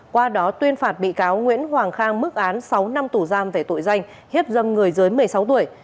qua đó tuyên phạt bị cáo nguyễn hoàng khang mức án sáu năm tù giam về tội danh hiếp dâm người dưới một mươi sáu tuổi